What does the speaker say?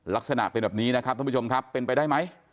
ลักษณะเป็นแบบนี้นะครับท่านผู้ชมครับเป็นไปได้ไหม